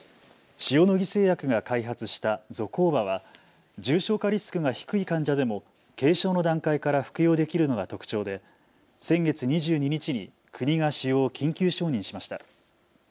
塩野義製薬が開発したゾコーバは重症化リスクが低い患者でも軽症の段階から服用できるのが特徴で先月２２日に国が使用を緊急承認しました。